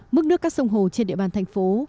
mức nước các sông hồ trên địa bàn thành phố